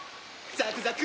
ザクザク！